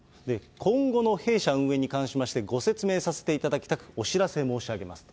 今後の弊社運営に関しましてご説明させていただきたく、お知らせ申し上げます。